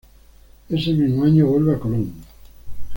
Ese mismo año vuelve a Colón.